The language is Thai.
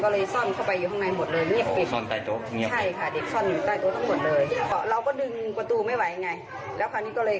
เราก็ดึงประตูไม่ไหวไงแล้วคราวนี้ก็เลย